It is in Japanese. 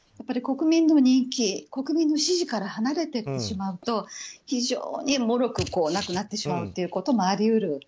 国民の人気、国民の支持から離れていってしまうと非常にもろくなくなってしまうということもあり得る。